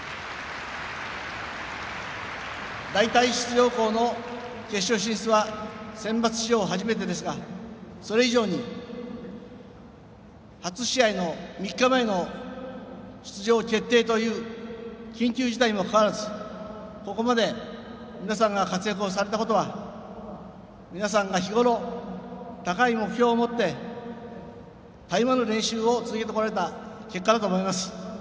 代替出場校の決勝進出はセンバツ史上初めてですがそれ以上に初試合の３日前の出場決定という緊急事態にもかかわらずここまで皆さんが活躍をされたことは皆さんが日ごろ高い目標を持ってたゆまぬ練習を積んでこられた結果だと思います。